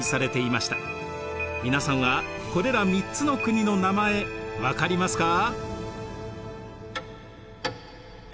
皆さんはこれら３つの国の名前分かりますか？